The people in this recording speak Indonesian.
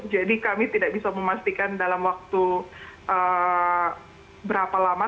jadi kami tidak bisa memastikan dalam waktu berapa lama